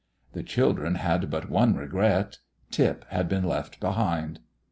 The children had but one regret: Tip had been left behind.